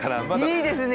いいですね